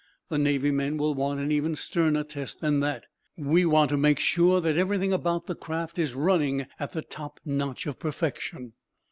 The Navy men will want an even sterner test than that. We want to make sure that everything about the craft is running at the top notch of perfection.